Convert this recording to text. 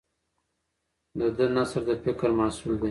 د ده نثر د فکر محصول دی.